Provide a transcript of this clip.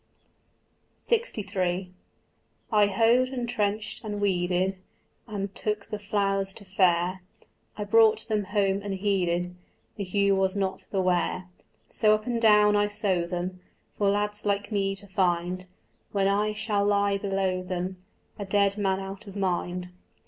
LXIII I Hoed and trenched and weeded, And took the flowers to fair: I brought them home unheeded; The hue was not the wear. So up and down I sow them For lads like me to find, When I shall lie below them, A dead man out of mind.